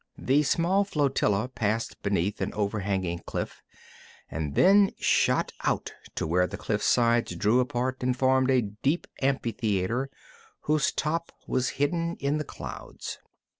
The small flotilla passed beneath an overhanging cliff, and then shot out to where the cliffsides drew apart and formed a deep amphitheater, whose top was hidden in the clouds.